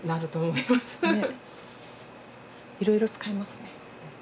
いろいろ使えますね。